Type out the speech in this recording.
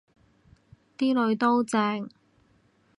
啲囡都正